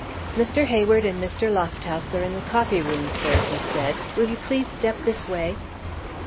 "Mr. Hayward and Mr. Lofthouse are in the coffee room, sir," he said. "Will you please to step this way?"